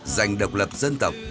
giành độc lập dân tộc